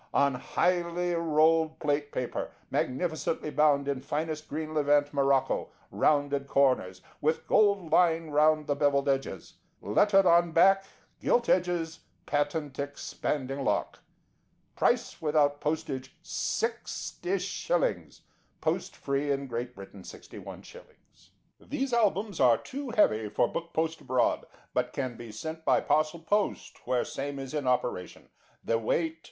On highly rolled plate paper, magnificently bound in finest green Levant morocco, rounded corners, with gold line round the bevelled edges, lettered on back, gilt edges, patent expanding lock. Price without postage, 60/ ; post free in Great Britain, 61/ .These Albums are too heavy for book post abroad, but can be sent by parcel post where same is in operation; the weight is about 8 to 10 lbs.